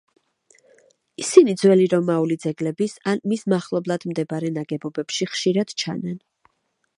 ისინი ძველი რომაული ძეგლების ან მის მახლობლად მდებარე ნაგებობებში ხშირად ჩანან.